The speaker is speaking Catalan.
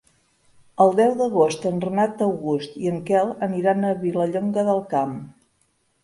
El deu d'agost en Renat August i en Quel aniran a Vilallonga del Camp.